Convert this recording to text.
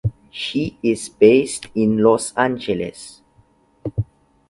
She is based in Los Angeles.